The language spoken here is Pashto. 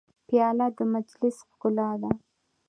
پیاله د مجلس ښکلا ده.